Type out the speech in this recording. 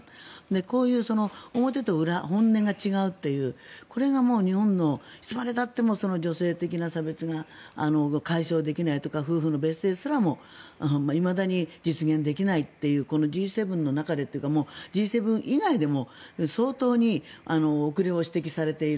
こういう表と裏本音が違うというこれが日本のいつまでたっても女性的な差別が解消できないとか夫婦の別姓すらもいまだに実現できないというこのＧ７の中でというかＧ７以外でも相当に遅れを指摘されている。